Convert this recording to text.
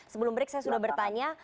sebelum break saya sudah bertanya